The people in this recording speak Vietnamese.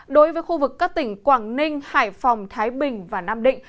đối với khu vực các tỉnh quảng ninh hải phòng thái bình và nam định